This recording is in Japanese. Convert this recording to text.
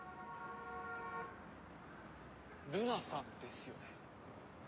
ルナさんですよね？